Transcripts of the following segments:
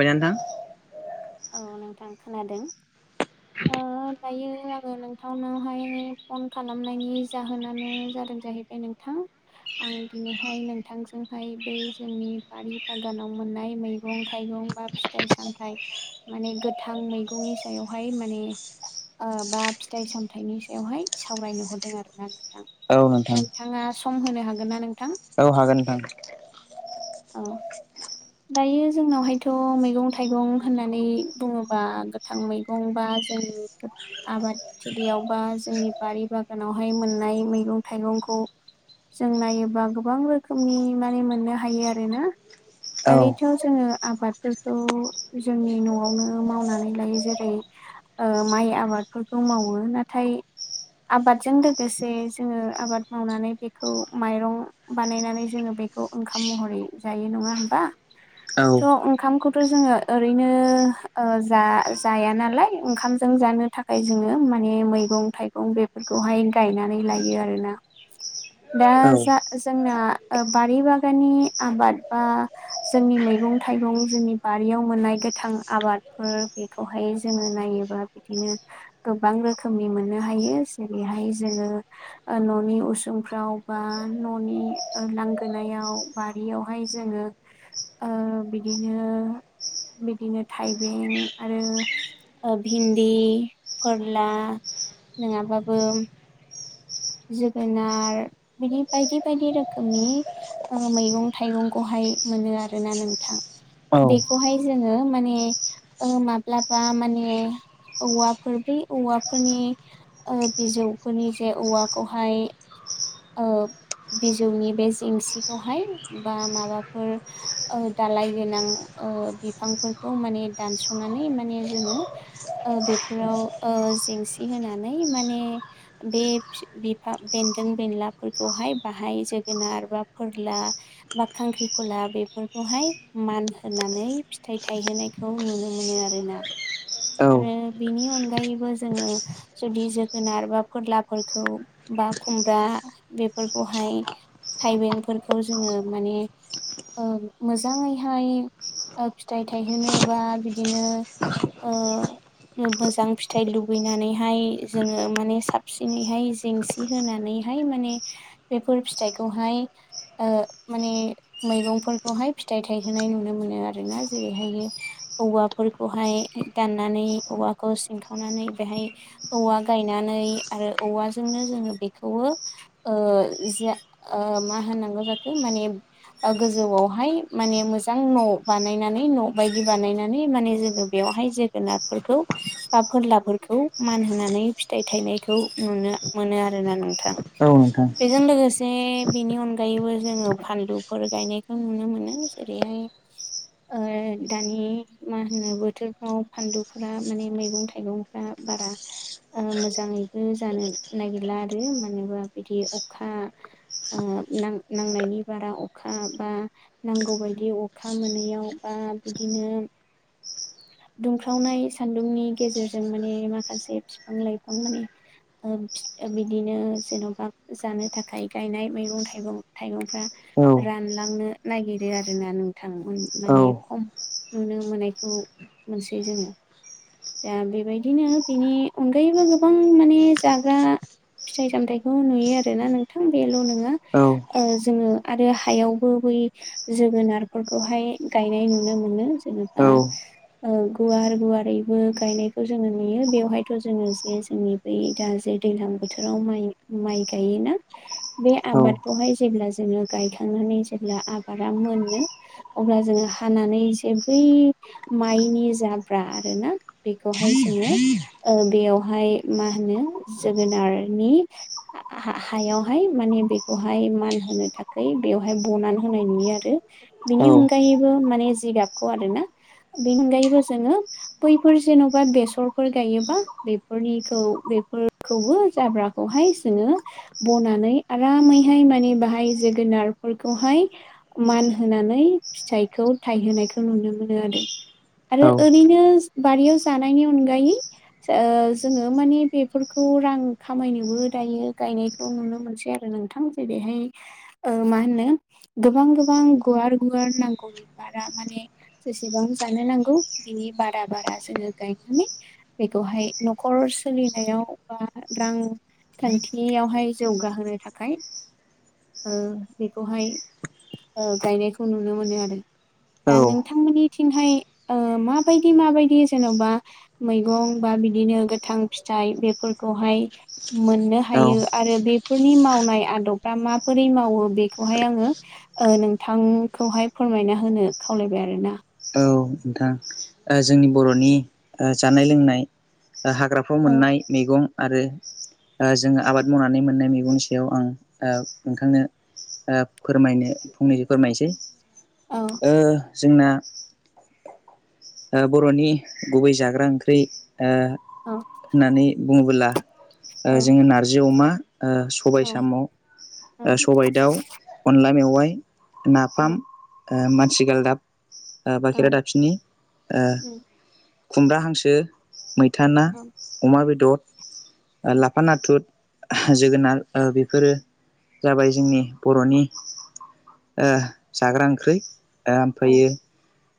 बायना नोंथां? औ नोंथां खोनादों। ओ दायो आङो नोंथांनावहाय फन खालामनायनि जाहोनानो जादों दोन जाहैबाय नोंथां आं दिनैहाय नोंथांजोंहाय बे जोंनि बारि बागानाव मोननाय मैगं थाइगं बा फिथाइ सामथ माने गोथां मैगंनि सायावहाय माने ओ बा फिथाइ सामथायाइनि सायावहाय सावरायनो हरदों आरोना औ नोंथां नोंथाङा सम होनो हागोन ना नों औ हागोन नोथां औ दायो जोंनावहायथ' मैगं थाइगं होननानै बुङोबा गोथां मैगं बा जों आबादथिलियाव बा जोंनि बारि बागानावहाय मोननाय मैगं थाइगं गौ जों नायोबा गोबां रोखोमनि माने मोननो हायो आरोना औ ओरैथ' जोङो आबादफोरखौ जोंनि न'आवनो मावनानै लायो जेरै ओ माइ आबाद फोरखौ मावो नाथाय आबादजों लोगोसे जोङो आबाद मावनानै बेखौ माइरं बानायनानै जोङो बेखौ ओंखाम महरै जायो नङा होमबा औ थ' ओंखामखौथ' जोङो ओरैनो ओ जा जाया नालाय ओंखामजों जाया जानो थाखाय जोङो माने मैगं थाइगं बेफोरखौहाय गायनानै लायो आरोना दा औ जा जोंना बारि बागाननि आबाद बा जोंनि मैगं थाइगं जोंनि बारियाव मोननाय गोथां आबादफोर बेखौहाय जोङो नायोबा बिदिनो गोबां रोखोमनि मोननो हायो जेरैहाय जोङो ओ न'नि उसुंफ्राव बा न'नि लांगोनायाव बारियावहाय जोङो ओ बिदिनो बिदिनो थाइबें आरो भिन्दि फोरला नङाबाबो जोगोनार बिदि बायदि बायदि रोखोमनि मैगं ओ थाइगंखौहाय मोनो आरोना नोंथां औ बेखौहाय जोङो माने ओ माब्लाबा माने औवाफोर बै औवाफोरनि ओ बिजौफोरनि जे औवा खौहाय ओ बिजौनि बे जेंसिखौहाय बा माबाफोर ओ दालाय गोनां ओ बिफांफोरखौ माने दानस'नानै माने जोङो ओ बेफोराव ओ जेंसि होनानै माने बे बिफां बेन्दों बेनलाफोरखौहाय बाहाय जोगोनार बा फोरला बा खां ख्रिखला बेफोरखौहाय मान होनानै फिथाइ थायहोनायखौ नुनो मोनो आरोना आरो बेनि अनगायैबो जोङो जुदि जोगोनार बा फोरलाफोरखौ बा बा खुमब्रा बेफोरखौहाय थायबेंफोरखौ जोङो माने ओ मोजाङैहाय फिथाइ थायहोनो बा बिदिनो ओ मोजां फिथाइ लुगैनानैहाय जोङो माने साबसिनैहाय जेंसि होनानै हाय माने बेफोर फिथायखौहाय ओ माने मैगंफोरखौहाय फिथाइ थायहोनाय नुनो मोनो आरोना जेरैहाय औवाफोरखौहाय दाननानै औवाखौ सिंखावनानै बेहाय औवा गायनानै आरो औवाजोंनो जों जोङो बेखौओ ओ जे ओ मा होननांगौ जाखो माने गोजौआवहाय माने मोजां न' बानायनानै न' बायदि बानायनानै माने जोङो बेवहाय जे जोगोनारफोरखौ बा फोरलाफोरखौ मान होनानै फिथायाइ थायनायखौ नुनो मोनो आरो आरोना नोंथां औ नोंथां बेजों लोगोसे बेनि अनगायैबो जोङो फानलुफोर गायनायखौ नुनो मोनो जेरैहाय हाय ओ दानि मा होनो बोथोरफ्राव फानलुफोरा माने मैगं थाइगंफ्रा बारा मोजाङैबो जानो नागिरला आरो मानोबा बिदि अखा ओ नां नांनायनि बारा अखा बा नांगौ बायदि अखा मोनैयाव बा बा बिदिनो दुंख्रावनाय सान्दुंनि गेजेरजों माने माखासे फिफां लाइफां माने बिदिनो जेन'बा जानो थाखाय गायनाय मैगं थाइगं थाइगंफ्रा औ रान लांनो नागिरो आरोना नोंथां औ माने खम नुनो मोननायखौ मोनसै जोङो दा बेबायदिनो बेनि अनगायैबो गोबां माने जाग्रा फिथाइ सामथायखौ नुयो आरोना नोंथां बेल' नङा औ ओ जोङो आरो हायावबो जोगोनारफोरखौहाय गायनाय नुनो मोनो जेनेबा औ ओ गुवार गुवारैबो गायनायखौ जोङो नुयो बेवहायथ' जोङो जे जोंनि बै दा जे दैलां बोथोराव माइ माइ गायोना बे आबादखौहाय जेब्ला जोङो गायखाङो माने जेब्ला आबादा मोननो अब्ला जोङो हानानै जे बै मा माइनि जाब्रा आरोना बेखौहाय जोङो ओ बेयावहाय मा होनो जोगोनारनि आ हा हायावहाय माने बेखौहाय मान होनो थाखै। बेवहाय बनानै होनाय नुयो आरो औ बिनि अनगायैबो माने जिगाबखौ आरोना। बेनि अनगायैबो जोङो बैफोर जेन'बा बेसरफोर गायोबा बेफोरनिखौ बे [inaudible] जाब्राखौहाय जोङो बनानै आरामैहाय माने बेहाय जोगो नारफोरखौहाय मान होनानै फिथाइखौ थायहोनायखौ नुनो मोनो आरो आरो ओरैनो बारियाव जानायनि अनगायै ओ जोङो माने बेफोरखौ रां खामायनोबो दायो गायनायखौ नुनो मोनसै आरो ओ नोंथां जेरैहाय ओ मा होनो गोबां-गोबां गुवार-गुवार नांगौनिबा बारा माने जसेबां जानो नांगौ बिनि बारा-बारा जोङो गायनानै बेखौहाय न'खर सोलिनायाव [unintelligible] बा रांखान्थियावहाय जौगाहोनो थाखाय ओ बेखौहाय ओ गायनायखौ नुनो मोनो आरो दा नोंथांमोननिथिं थिंहाय ओ माबायदि-माबायदि जेन'बा मैगं बा बिदिनो गोथां फिथा। आइ बेफोरखौहाय मोननो हायो नोंथां आरो बेफोरनि मावनाय आदबफ्रा माबोरै माव। मावो बेखौहाय आङो ओ नोंथांखौहाय फोरमायना होनो खावलायबाय आरोना नोंथां जोंनि बर'नि ओ जानाय लोंनाय ओ हाग्राफ्राव मोननाय मैगं आरो आ जोङो आबाद मावनानै मोननाय मैगंनि सायाव आं औ नोंथांनो आ फोरमायनो फंनैसो फोरमायनोसै ओ जोंना ओ बर'नि गुबै जाग्रा ओंख्रि ओ होननानै बुङोबोला ओ जोङो नारजि अमा ओ सबाय साम' ओ सबाय दाउ अनला मेव वाय नाफाम आ मानसिगालदाब आ बा खेरा दाबसिनि आ खुमब्रा हांसो मैथा ना अमा बेदर लाफा नाथुर। [unintelligible] जोगोनार ओ बेफोरो जाबाय जोंनि बर'नि। ओ जाग्रा ओंख्रि आ ओमफायो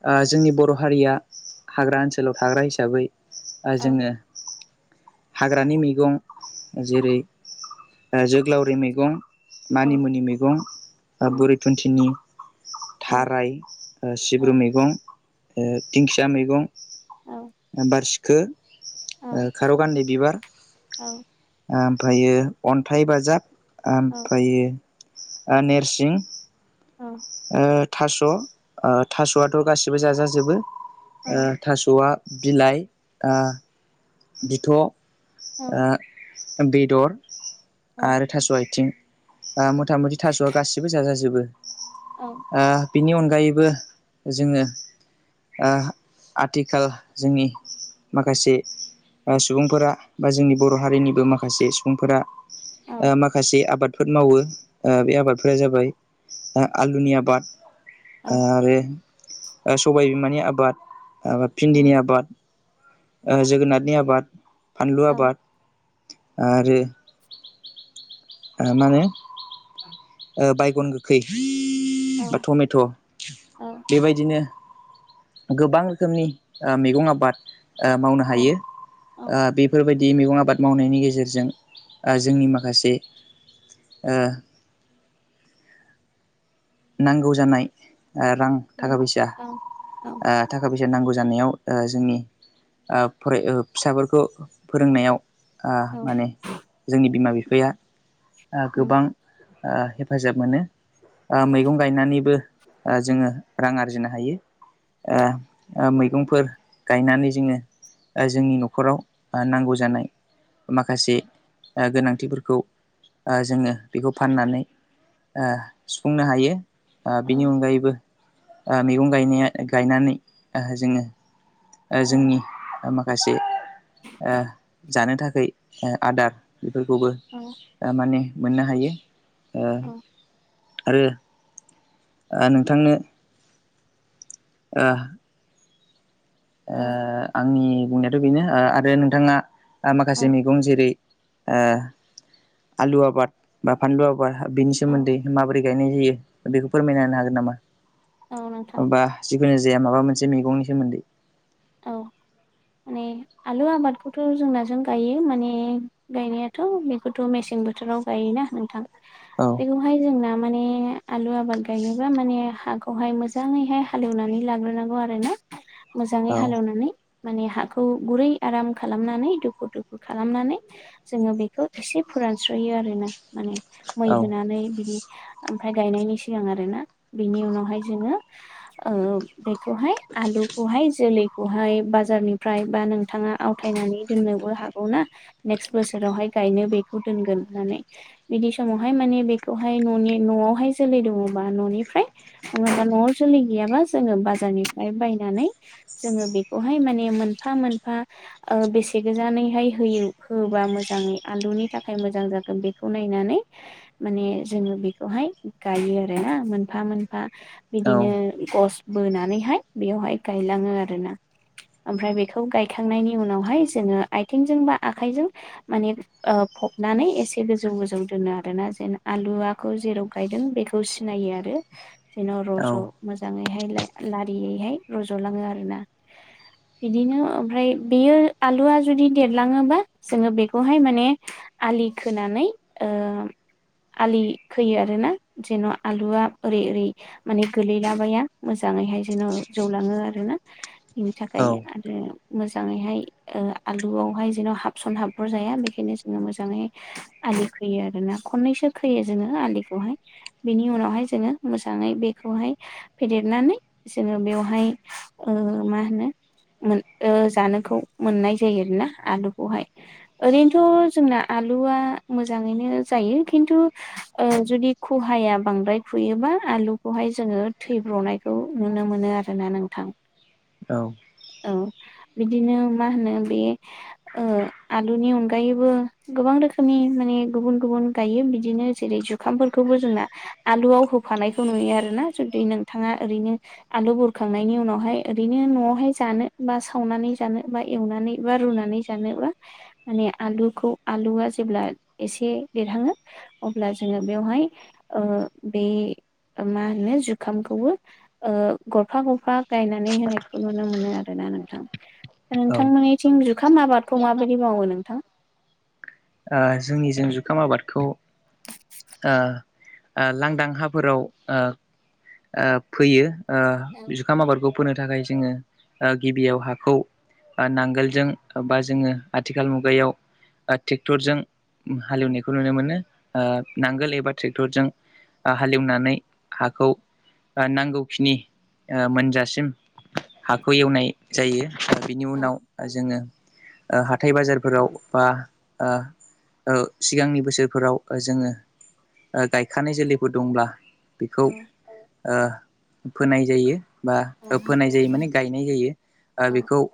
आ जोंनि बर' हारिया हाग्रा ओनसोलाव थाग्रा हिसाबै आ जोङो हाग्रानि मैगं जेरै ओ जोग्लावरि मैगं मानिमुनि मैगं बा बुरै थुन्थिनि थाराय ओ सिब्रु मैगं ओ दिंखिया मैगं बारसिखो ओ खारौ गान्दि बिबार ओ ओमफायो अन्थाइ बाजाब ओमफायो नेरसिं ओ थास' आ थास'आथ' गासिबो जाजाजोबो। ओ थास'आ बिलाइ ओ। बिथ' ओ बेदर। आरो थास' आयथिं। आ मथा मथि थास'आ गासिबो जाजाजोबो आ। बिनि अनगायैबो जोङो आ आथिखाल जोंनि माखासे आ सुबुंफोरा बा जोंनि बर' हारिनिबो माखासे सुबुंफोरा। ओ माखासे आबाद। फोद मावो ओ बे आबादफोरा जाबाय ओ आलुनि आबाद। आरो आ सबाय बिमानि आबाद आ भिन्दिनि आबाद। ओ जोगोनारनि आबाद फानलु औ आबाद। आरो ओ मा होनो [inaudible] ओ बायगन गोखै बा औ टमेट' औ बेबायदिनो गोबां रोखोमनि ओ मैगं आबाद ओ मावनो औ हायो ओ औ बेफोर बाय दि मैगं आबाद मावनायनि गेजेरजों ओ जोंनि माखासे ओ नांगौ जानाय ओ रां औ थाखा फैसा औ औ ओ थाखा फै नांगौ जानायाव ओ जोंनि ओ फराय फिसाफोरखौ फोरोंनायाव ओ औ माने जोंनि बिमा बिफाया ओ औ गोबां ओ हेफाजाब मोनो ओ मैगं गायनानैबो ओ जोंङो रां आरजिनो हायो ओ ओ मैगंफोर गायनानै जोङो ओ जोंनि न'खराव ओ नांगौ जानाय माखासे ओ गोनांथिफोरखौ ओ जोंङो बेखौ फाननानै ओ सुफुंनो हायो ओ बिनि औ अनगायैबो ओ मैगं गायनाया गायनानै जोंङो ओ औ जोंनि माखासे ओ जानो थाखाय ओ आदार बेफोरखौबो दा माने मोननो हायो ओ आरो ओ नोंथांनो ओ ओ आंनि बुंनायाथ' बेनो ओ आरो नोंथाङा ओ माखासे औ मैगं जेरै ओ आलु आबाद बा फानलु आबाद बेनि सोमोन्दै माबोरै गायनाय जायो बेखौ फोरमायना होनो हागोनना। खामो औ नोंथां माबा जिखुनु जाया माबा मोनसे मैगंनि सोमोन्दै औ माने आलु आबादखौथ' जोंनाजों गायो माने गायनायाथ' बेखौथ' मेसें बोथोराव गायो। नंगौना नोंथां औ बेखौहाय जोंना माने आलु आबाद गायनोबा माने हाखौहाय मोजाङैहाय हालेवनानै लाग्रोनांगौ आरोना। औ हालेवनानै माने हाखौ गुरै आराम खालामनानै दुफु-दुफु खालामनानै जोंङो बेखौ एसे फोरानस्रयो आरोना माने मै औ होनानै बिदि ओमफ्राय गायनायनि सिगां आरोना बेनि उनावहाय जोंङो ओ बेखौहाय आलुखौहाय जोलै खौहाय बाजारनिफ्राय बा नोंथाङा आवथायनानै दोननोबो हागौ ना नेक्स्ट बोसोरावहाय गायनो बेखौ दोनगोन होननानै बिदि समावहाय माने बेखौहाय न'नि न'आवहाय जोलै दङ बा ननिफ्राय नङाबा न आव जोलै गैयाबा जोंङो बाजारनिफ्राय बायनानै जोंङो बेखौहाय माने मोनफा मोनफा ओ बेसे गोजानैहाय होयो होबा मोजां मोजांङै आनदुनि थाखाय मोजां जागोन बेखौ नायनानै माने जोङो बेखौहाय गायो। आरोना मोनफा मोनफा औ बिदिनो गस बोनानैहाय बेयावहाय गायलाङो आरो ना ओमफ्राय बेखौ गायखांनायनि उनावहाय जोङो आथिंजों बा आखाइजों माने फबनानै एसे गोजौ गोजौ दोनो आरोना जेन आलुआखौ जेराव गायदों बेखौ सिनायो आरो जेन' रज' मोजाङैहाय लारियैहाय रज'लाङो आरोना बिदिनो ओमफ्राय बेयो आलुआ जुदि देरलाङोबा जोङो बेखौहाय माने आलि खोनानै ओ आलि खोयो आरोना जेन' आलुआ ओरै ओरै माने गोलैलाबाया मोजां मोजाङैहाय जेन' जौलाङो आरो ना बेनि औ थाखाय आरो मोजाङैहाय आलुआवहाय जेन' हाबसन हाबहर जाया बेखायनो जोङो मोजाङै आलि खोयो आरो ना खननैसो खोयो जोङो आलिखौहाय बिनि उनावहाय जोङो मोजाङै बे खौहाय फेदेरनानै जोङो बेवहाय ओ मा होनो। मोन ओ जानोखौ मोननाय जायो आरोना आलुखौहाय ओरैनोथ' जोंना आलुआ मोजाङैनो जायो खिन्थु जुदि खुहाया बांद्राय खुयोबा आलुखौहाय जोङो थैब्र'नायखौ नुनो मोनो आरोना नोंथां। औ। औ बिदिनो मा होनो बे ओ आलुनि अनगायैबो गोबां रोखोमनि। माने गुबुन गुबुन गायो बिदिनो जेरै जुखामफोरखौबो जोंना आलुआव होफानायखौ नुयो। आरोना जुदि नोंथाङा ओरैनो आलु बुरखांनायनि उनावहाय। ओरैनो न'आवहाय जानो बा सावनानै जानो बा एवनानै बा रुनानै जानो बा माने आलुखौ आलुआ जेब्ला एसे देरहाडों अब्ला जों बेवहाय ओ ओ बे माहोनो जुखामखौबो ओ गरफा गरफा गाय गायनानै होनायखौ नुनो मोनो आरो ना नोंथां नोंथांमोनिथिं जुखाम आबादखौ मा माबायदि मावो नोंथां? ओ जोंनि जों जुखाम आबादखौ ओ ओ लांदां हाफोराव ओ ओ फैयो। ओ औ जुखाम आबादखौ फोनो थाखाय जोङो ओ गिबियाव हाखौ नांगोलजों बा जोङो आथिखाल मुगायाव ट्रेक्टरजों औ हालेवनायखौ नुनो मोनो। ओ नांगोल एबा ट्रेक्टरजों हालेवनानै हाखौ। ओ नांगौखिनि औ मोनजासिम हाखौ एवनाय जायो। बिनि औ उनाव जोङो ओ हाथाय बाजारफोराव बा ओ ओसिगांनि बोसोरफोराव जोङो। ओ गायखानाय जोलैफोर दंब्ला बेखौ औ ओ फोनाय जायो। बा औ फोनाय जायो माने गायनाय जायो ओ औ बेखौ।